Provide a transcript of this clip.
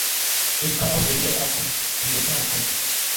E su kan ɔ ndɛ yɛ a su index sran uflɛ.